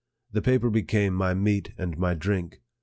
The paper became my meat and my drink.